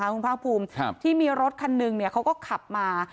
คุณภาคภูมิที่มีรถคันหนึ่งเขาก็ขับมา